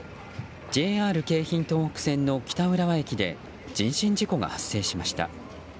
ＪＲ京浜東北線の北浦和駅で人身事故が発生しました。